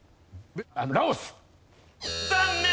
残念。